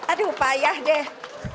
aduh payah deh